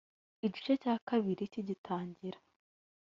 Igice cya kabiri kigitangira